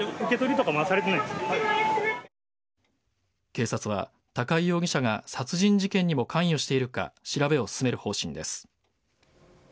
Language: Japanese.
警察は高井容疑者が殺人事件にも関与しているか調べを進める方針です。